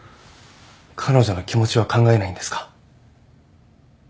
彼女の気持ちは考えないんですか？